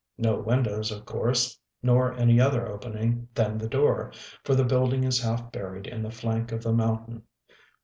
No windows, of course, nor any other opening than the door; for the building is half buried in the flank of the mountain.